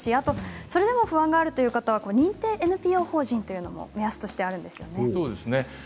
それでも不安がある方は認定ＮＰＯ法人というものが目安としてあります。